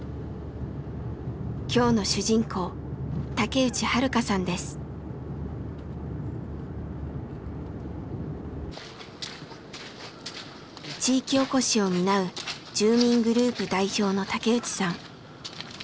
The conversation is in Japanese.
今日の主人公地域おこしを担う住民グループ代表の竹内さん。